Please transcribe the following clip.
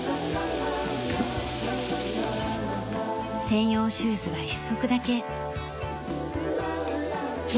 専用シューズは一足だけ。